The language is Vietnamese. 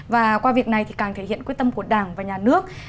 và qua việc này thì càng thể hiện quyết tâm của đảng và nhà nước